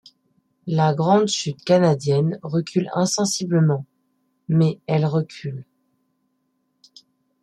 La grande chute canadienne recule insensiblement, mais elle recule.